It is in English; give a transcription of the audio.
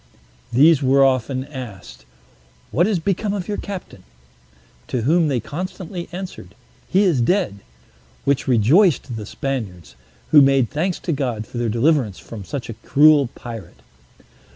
These were often asked, "What is become of your captain?" To whom they constantly answered, "He is dead:" which rejoiced the Spaniards, who made thanks to God for their deliverance from such a cruel pirate.